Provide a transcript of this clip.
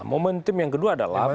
momentum yang kedua adalah